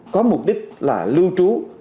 có mục đích là lưu trú